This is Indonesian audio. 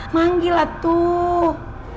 manggil lah tuh